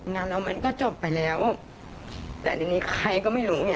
งานเรามันก็จบไปแล้วแต่ทีนี้ใครก็ไม่รู้ไง